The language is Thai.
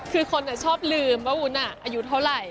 คือคนชอบลืมว่าวุ้นอายุเท่าไหร่